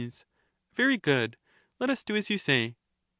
Very good ;— let us do as you say.